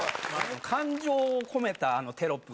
感情を込めたあのテロップ。